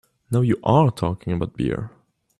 Now you are talking about beer!